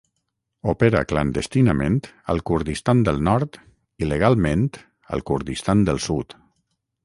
Opera clandestinament al Kurdistan del Nord i legalment al Kurdistan del Sud.